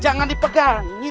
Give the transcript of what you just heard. jangan di pegangin